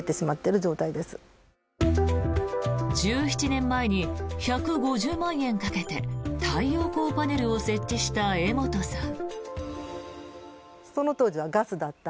１７年前に１５０万円かけて太陽光パネルを設置した江本さん。